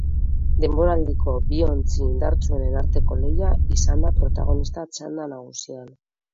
Denboraldiko bi ontzi indartsuenen arteko lehia izan da protagonista txanda nagusian.